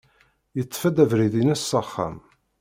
Yeṭṭef-d abrid-ines s axxam.